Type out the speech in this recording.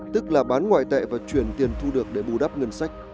tức là bán ngoại tệ và chuyển tiền thu được để bù đắp ngân sách